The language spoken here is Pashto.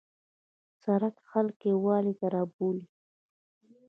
سړک خلک یووالي ته رابولي.